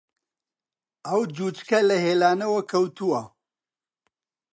ئەو جووچکە لە هێلانەوە کەوتووە